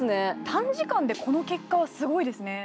短時間でこの結果はすごいですね。